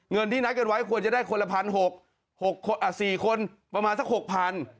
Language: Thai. เงินที่นัดกันไว้ควรจะได้คนละ๑๖๔คนประมาณสักหกพัน